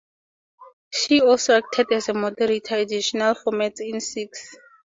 She also acted as moderator additional formats on sixx.